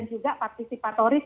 dan juga partisipatoris